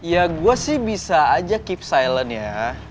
ya gue sih bisa aja keep silent ya